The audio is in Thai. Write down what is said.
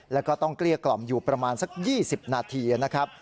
แล้วก็ต้องเกลี้ยกล่อมอยู่ประมาณสัก๒๐นาทีนะครับ